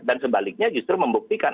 dan sebaliknya justru membuktikan